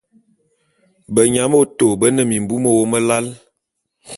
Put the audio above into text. Benyabôtô bé ne mimbu mewôm lal.